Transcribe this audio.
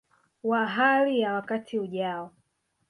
wa hali ya wakati ujao